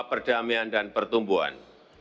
perdamaian dan pertumbuhan